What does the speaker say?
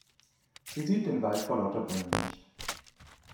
Sie sieht den Wald vor lauter Bäumen nicht.